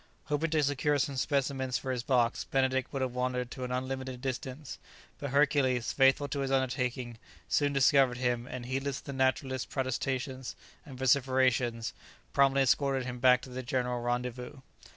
Hoping to secure some specimens for his box, Benedict would have wandered to an unlimited distance; but Hercules, faithful to his undertaking, soon discovered him, and heedless of the naturalist's protestations and vociferations, promptly escorted him back to the general rendezvous.